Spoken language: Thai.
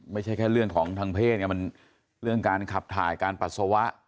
ไม่ใช่แค่เรื่องของทางเพศไงมันเรื่องการขับถ่ายการปัสสาวะ